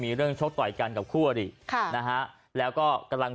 มีเรื่องชกต่อยกันกับคู่อริค่ะนะฮะแล้วก็กำลัง